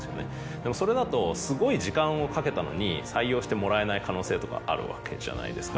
でもそれだとすごい時間をかけたのに採用してもらえない可能性とかあるわけじゃないですか。